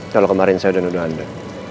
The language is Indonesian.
kalau kemarin saya sudah nuduh anda